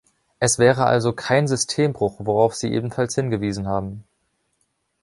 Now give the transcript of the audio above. Es wäre also kein Systembruch, worauf Sie ebenfalls hingewiesen haben.